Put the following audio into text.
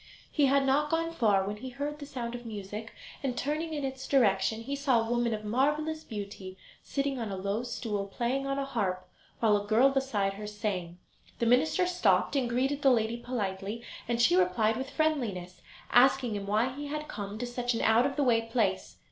He had not gone far, when he heard the sound of music, and, turning in its direction, he saw a woman of marvellous beauty sitting on a low stool playing on a harp, while a girl beside her sang. The minister stopped and greeted the lady politely, and she replied with friendliness, asking him why he had come to such an out of the way place.